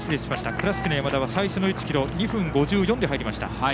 倉敷の山田は最初の１ｋｍ２分５４で入りました。